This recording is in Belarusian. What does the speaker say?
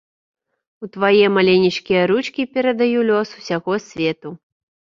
У твае маленечкія ручкі перадаю лёс усяго свету.